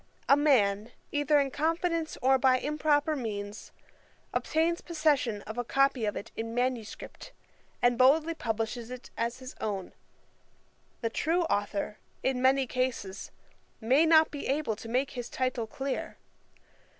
A man, either in confidence or by improper means, obtains possession of a copy of it in manuscript, and boldly publishes it as his own. The true authour, in many cases, may not be able to make his title clear.